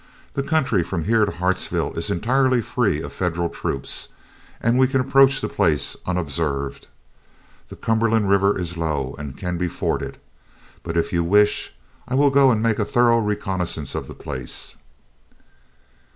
The country from here to Hartsville is entirely free of Federal troops, and we can approach the place unobserved. The Cumberland River is low and can be forded. But if you wish, I will go and make a thorough reconnaissance of the place."